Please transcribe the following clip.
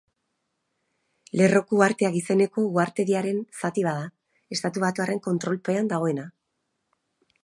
Lerroko uharteak izeneko uhartediaren zati bat da, estatubatuarren kontrolpean dagoena.